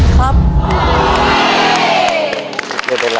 โตโตโตโตโตโตโต